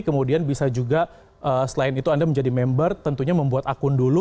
kemudian bisa juga selain itu anda menjadi member tentunya membuat akun dulu